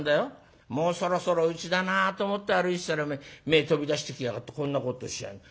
もうそろそろうちだなと思って歩いてたらお前前飛び出してきやがってこんなことしてやんだ。